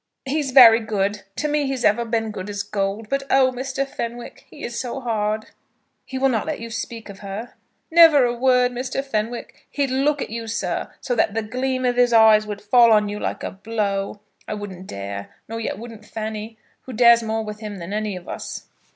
"He's very good; to me he's ever been good as gold. But, oh, Mr. Fenwick, he is so hard." "He will not let you speak of her?" "Never a word, Mr. Fenwick. He'd look at you, sir, so that the gleam of his eyes would fall on you like a blow. I wouldn't dare; nor yet wouldn't Fanny, who dares more with him than any of us."